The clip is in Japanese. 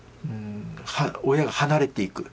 親が離れていく。